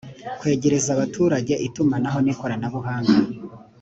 kwegereza abaturage itumanaho n’ikoranabuhanga